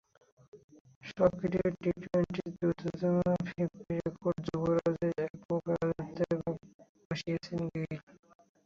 স্বীকৃত টি-টোয়েন্টির দ্রুততম ফিফটির রেকর্ডে যুবরাজের একক রাজত্বে ভাগ বসিয়েছেন গেইল।